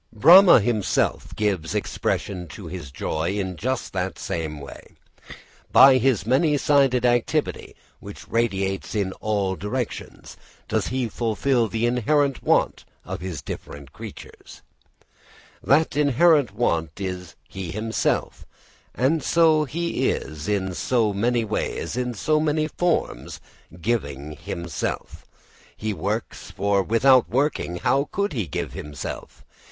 Brahma himself gives expression to his joy in just the same way. _By his many sided activity, which radiates in all directions, does he fulfil the inherent want of his different creatures._ [Footnote: Bahudhā çakti yogāt varņānanekān nihitārtho dadhāti.] That inherent want is he himself, and so he is in so many ways, in so many forms, giving himself. He works, for without working how could he give himself.